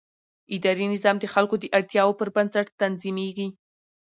اداري نظام د خلکو د اړتیاوو پر بنسټ تنظیمېږي.